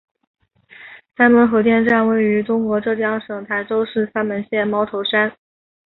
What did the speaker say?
三门核电站位于中国浙江省台州市三门县猫头山。